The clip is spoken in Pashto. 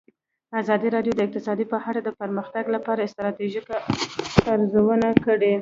ازادي راډیو د اقتصاد په اړه د پرمختګ لپاره د ستراتیژۍ ارزونه کړې.